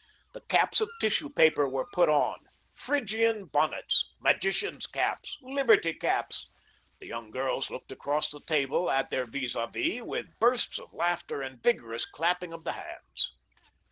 The caps of tissue paper were put on "Phrygian Bonnets," "Magicians' Caps," "Liberty Caps;" the young girls looked across the table at their vis a vis with bursts of laughter and vigorous clapping of the hands.